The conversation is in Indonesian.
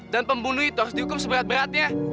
dan pembunuh itu harus dihukum seberat beratnya